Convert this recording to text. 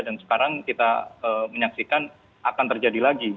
dan sekarang kita menyaksikan akan terjadi lagi